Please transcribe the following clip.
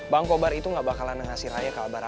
bang kobar itu gak bakalan nengasih raya ke abah rama